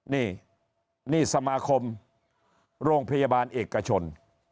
นี่นี่สมาคมโรงพยาบาลเอกชน